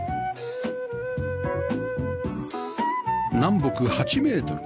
南北８メートル